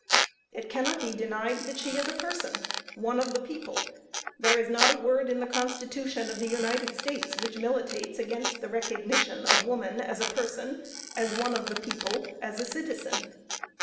It cannot be denied that she is a person, one of the people, there is not a word in the Constitution of the United States which militates against the recognition of woman as a person, as one of the people, as a citizen.